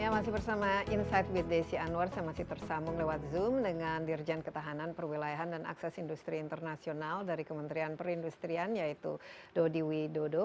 masih bersama insight with desi anwar saya masih tersambung lewat zoom dengan dirjen ketahanan perwilayahan dan akses industri internasional dari kementerian perindustrian yaitu dodi widodo